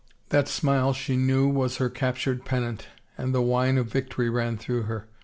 That smile, she knew, was her captured pennant, and the wine of victory ran through her.